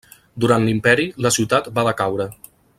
Durant l'imperi la ciutat va decaure.